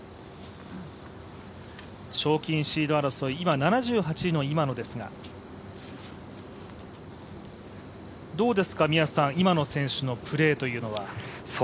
賞金シード争い、今、７８位の今野ですが、どうですか宮瀬さん、今野選手のプレーというのは。